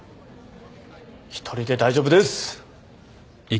１人で大丈夫です！